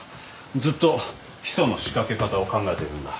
ずっとヒ素の仕掛け方を考えているんだ。